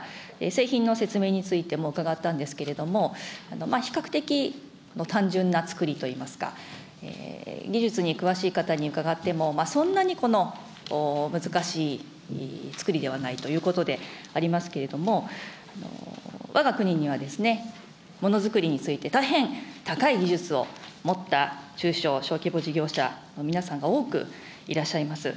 製品の説明についても伺ったんですけれども、比較的、単純な作りといいますか、技術に詳しい方に伺っても、そんなに難しい作りではないということでありますけれども、わが国には、ものづくりについて、大変高い技術を持った中小・小規模事業者の皆さんが多くいらっしゃいます。